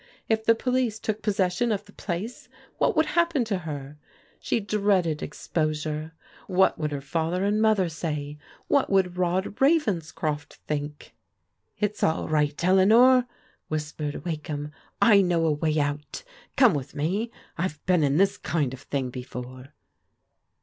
If the police took possession of die place what would happen to her? She dreaded ex posure. What would her father and mother say? What wotild Rod Ravenscroft think? "It's all right, Eleanor," whispered Wakeham. "I know a way out Come with me. I've been in this kind of thing before."